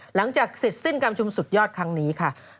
หลังจากเสร็จสิ้นการชุมสุดยอดครั้งนี้ค่ะ